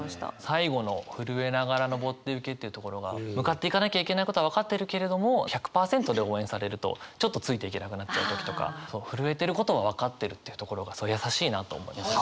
最後の「ふるえながらのぼってゆけ」っていうところが向かっていかなきゃいけないことは分かっているけれども１００％で応援されるとちょっとついていけなくなっちゃう時とかふるえてることは分かってるというところが優しいなと思いますね。